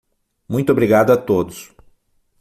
Muito obrigado a todos.